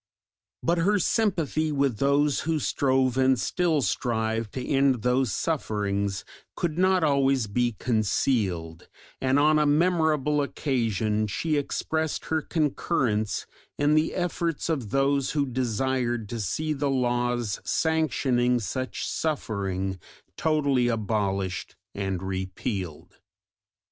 But her sympathy with those who strove and still strive to end those sufferings could not always be concealed, and on a memorable occasion she expressed her concurrence in the efforts of those who desired to see the laws sanctioning such suffering totally abolished and repealed.